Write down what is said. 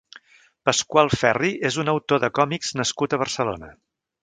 Pasqual Ferry és un autor de còmics nascut a Barcelona.